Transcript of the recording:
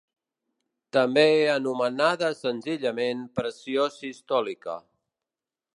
També anomenada senzillament pressió sistòlica.